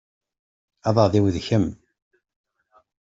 Aḍad-iw d kemm.